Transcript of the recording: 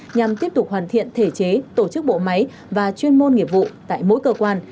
nhằm tiếp tục hoàn thiện thể chế tổ chức bộ máy và chuyên môn nghiệp vụ tại mỗi cơ quan